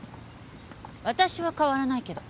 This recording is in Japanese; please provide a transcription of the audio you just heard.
私は変わらないけど。